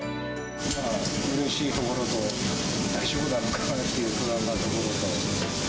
うれしいところと大丈夫なのかなという不安なところと。